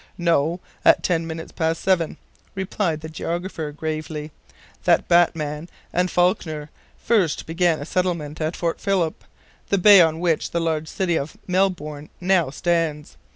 "No, at ten minutes past seven," replied the geographer, gravely, "that Batman and Falckner first began a settlement at Port Phillip, the bay on which the large city of Melbourne now stands.